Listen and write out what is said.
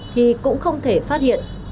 thì cũng không thể phát hiện